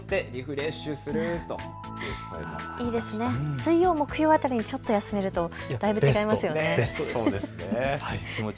水曜日、木曜日辺りちょっと休めるとだいぶ違いますよね。